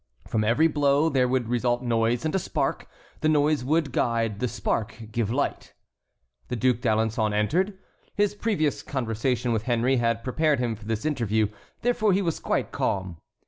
From every blow there would result noise and a spark. The noise would guide, the spark give light. The Duc d'Alençon entered. His previous conversation with Henry had prepared him for this interview; therefore he was quite calm.